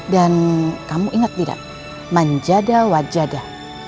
dan kamu ingat tidak manjada wajada